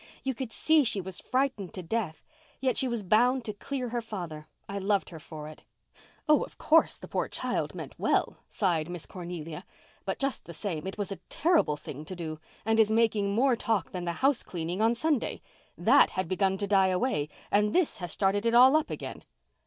"You could see she was frightened to death—yet she was bound to clear her father. I loved her for it." "Oh, of course, the poor child meant well," sighed Miss Cornelia, "but just the same it was a terrible thing to do, and is making more talk than the house cleaning on Sunday. That had begun to die away, and this has started it all up again.